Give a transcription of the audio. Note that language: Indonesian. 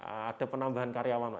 ada penambahan karyawan